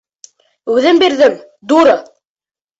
Үҙем бирҙем, дура!